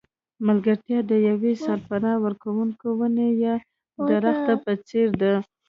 ملګرتیا د یوې سرپناه ورکوونکې ونې یا درخته په څېر ده.